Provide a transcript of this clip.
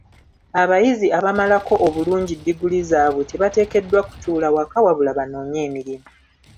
Abayizi abamalako obulungi ddiguli zaabwe tebateekeddwa kutuula waka wabula banoonye emirimu.